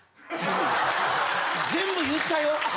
全部言ったよ？